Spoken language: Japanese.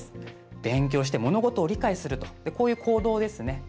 勉強して物事を理解するという行動ですね。